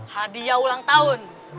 hadiah ulang tahun